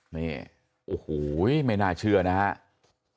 นี่โอ้โห้ไม่น่าเชื่อนะฮะ